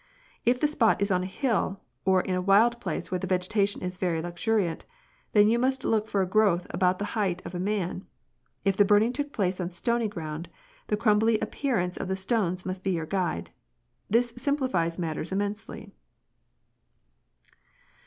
If the spot is on a hill, or in a wild place where the vegetation is very luxuriant, then you must look for a growth about the height of a man. K the burning took place on stony ground, the crumbly appear ance of the stones must be your guide ; this simplifies matters im mensely."